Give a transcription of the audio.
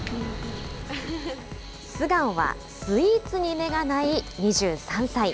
素顔はスイーツに目がない２３歳。